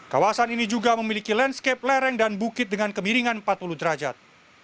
kawasan ini juga memiliki landscape lereng dan bukit dengan kemiringan empat puluh derajat